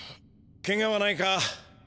ケガはないか？